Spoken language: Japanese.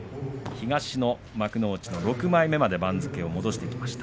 東の幕内の６枚目まで番付を戻してきました。